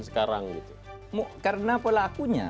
sekarang karena pelakunya